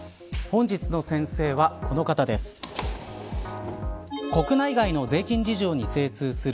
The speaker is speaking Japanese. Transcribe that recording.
本日の先生は、この方です。